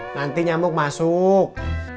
nanti nyamuk masuk